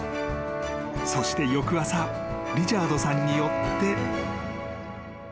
［そして翌朝リチャードさんによって］